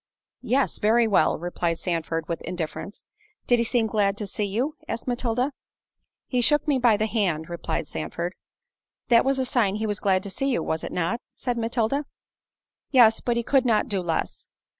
"Yes; very well," replied Sandford, with indifference. "Did he seem glad to see you?" asked Matilda. "He shook me by the hand," replied Sandford. "That was a sign he was glad to see you, was it not?" said Matilda. "Yes; but he could not do less."